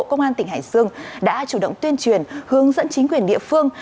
công an tỉnh hải dương đã chủ động tuyên truyền hướng dẫn chính quyền địa phương